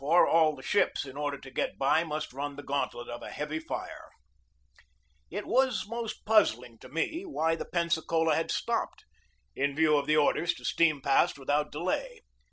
9 F 3 2 a M THE BATTLE OF NEW ORLEANS 63 the ships, in order to get by, must run the gauntlet of a heavy fire. It was most puzzling to me why the Pensacola had stopped, in view of the orders to steam past without delay.